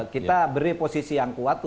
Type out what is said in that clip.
kita beri posisi yang kuat